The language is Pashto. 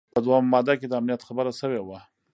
په دوهمه ماده کي د امنیت خبره شوې وه.